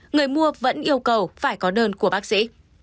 người mua vẫn yêu cầu phải có đơn của bác sĩ